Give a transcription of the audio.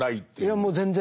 いやもう全然。